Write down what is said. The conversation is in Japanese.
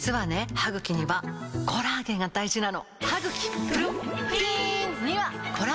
歯ぐきにはコラーゲンが大事なの！